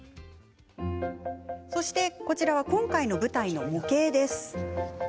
こちらは、今回の舞台の模型です。